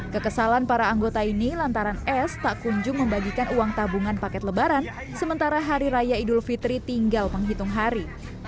kekesalan para anggota ini lantaran s tak kunjung membagikan uang tabungan paket lebaran sementara hari raya idul fitri tinggal penghitung hari